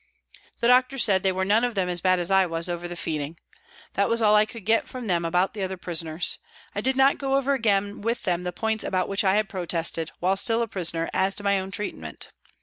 The doctor said they were none of them as bad as I was over the feeding. That was all that I could get from them about the other prisoners. I did not go over again with them the points about which I had protested, while still a prisoner, as to my own treatment.